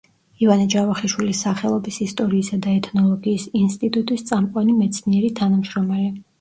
ივანე ჯავახიშვილის სახელობის ისტორიისა და ეთნოლოგიის ინსტიტუტის წამყვანი მეცნიერი თანამშრომელი.